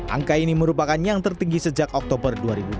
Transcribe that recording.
angka ini merupakan yang tertinggi sejak oktober dua ribu dua puluh